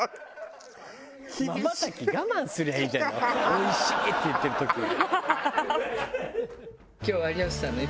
「おいしい！」って言ってる時ぐらい。